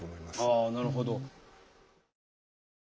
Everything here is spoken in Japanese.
あなるほど。